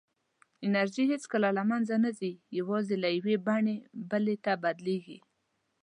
انرژي هېڅکله له منځه نه ځي، یوازې له یوې بڼې بلې ته بدلېږي.